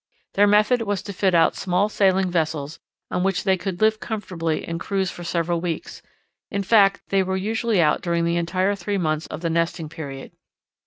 Their method was to fit out small sailing vessels on which they could live comfortably and cruise for several weeks; in fact, they were usually out during the entire three months of the nesting period.